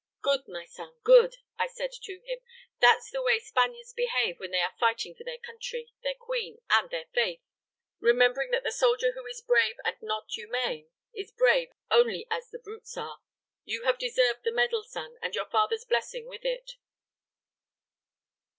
'Good, my son, good,' I said to him, 'that's the way Spaniards behave when they are fighting for their country, their queen, and their faith, remembering that the soldier who is brave and not humane is brave only as the brutes are. You have deserved the medal, son, and your father's blessing with it.'"